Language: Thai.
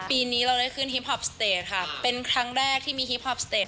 ปีนี้เราได้ขึ้นฮิปพอปสเตจค่ะเป็นครั้งแรกที่มีฮิปพอปสเตจ